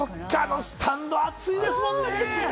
スタンド暑いですもんね。